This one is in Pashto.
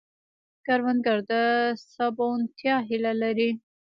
کروندګر د سباوونتیا هیله لري